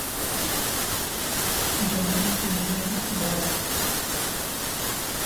Canê Keziyan bade.